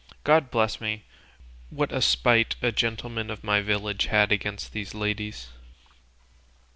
God bless me! what a spite a gentleman of my village had against these ladies!"